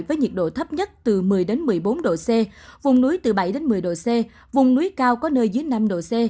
với nhiệt độ thấp nhất từ một mươi một mươi bốn độ c vùng núi từ bảy một mươi độ c vùng núi cao có nơi dưới năm độ c